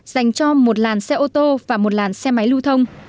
dành cho một làn xe ô tô và một làn xe máy lưu thông